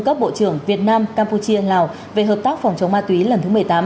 cấp bộ trưởng việt nam campuchia lào về hợp tác phòng chống ma túy lần thứ một mươi tám